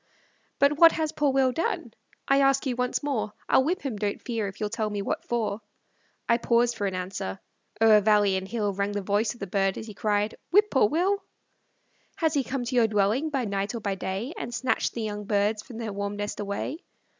But what has poor Will done? I ask you once more; I'll whip him, don't fear, if you'll tell me what for. I paused for an answer; o'er valley and hill Rang the voice of the bird, as he cried, "Whip poor Will." Has he come to your dwelling, by night or by day, And snatched the young birds from their warm nest away?